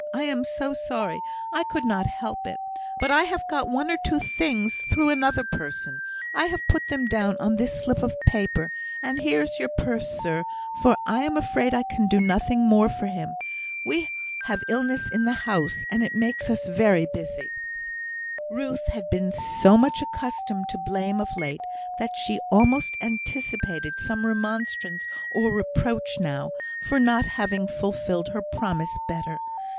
I am so sorry I could not help it. But I have got one or two things through another person. I have put them down on this slip of paper; and here is your purse, sir, for I am afraid I can do nothing more for him. We have illness in the house, and it makes us very busy." Ruth had been so much accustomed to blame of late, that she almost anticipated some remonstrance or reproach now, for not having fulfilled her promise better.